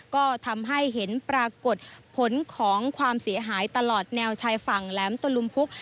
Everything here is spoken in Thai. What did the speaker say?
ก็ทำให้เห็นปรากฏผลของความเสียหายตลอดแนวชายฝั่งแหลมตะลุมพุก